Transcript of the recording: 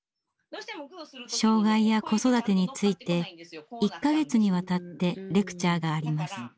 障害や子育てについて１か月にわたってレクチャーがあります。